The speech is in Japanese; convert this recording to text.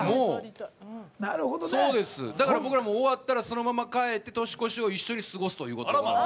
だから、僕らも終わったらそのまま帰ったら年越しを一緒に過ごすということで。